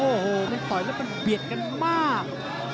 โอ้โหมันต่อยแล้วมันเบียดกันมาก